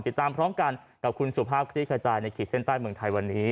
ติดตามพร้อมกันกับคุณสุภาพคลี่ขจายในขีดเส้นใต้เมืองไทยวันนี้